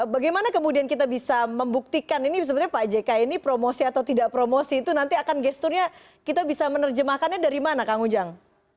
bagaimana kemudian kita bisa membuktikan ini sebenarnya pak jk ini promosi atau tidak promosi itu nanti akan gesturnya kita bisa menerjemahkannya dari mana kang ujang